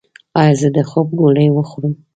ایا زه د خوب ګولۍ وخورم؟